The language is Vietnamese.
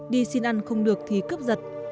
đi xin ăn không được thì cướp giật